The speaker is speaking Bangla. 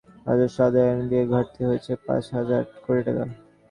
আবার জুলাই-নভেম্বর সময়কালে রাজস্ব আদায়ে এনবিআরের ঘাটতি হয়েছে পাঁচ হাজার কোটি টাকা।